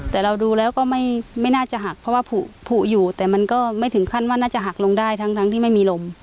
แต่เราก็ไม่ถึงขั้นน่าจะหลักลงได้ทั้งที่ไม่มีลง